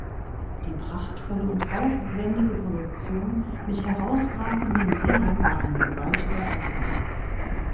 Die prachtvolle und aufwändige Produktion mit herausragenden Sängern war ein gewaltiger Erfolg.